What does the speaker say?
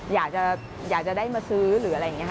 อยากจะได้มาซื้อหรืออะไรอย่างนี้ค่ะ